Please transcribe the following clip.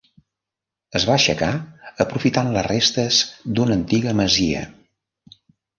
Es va aixecar aprofitant les restes d'una antiga masia.